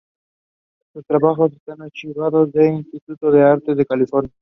Sus trabajos están archivados en el Instituto de las Artes de California.